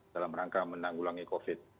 dalam rangka menanggulangi covid sembilan belas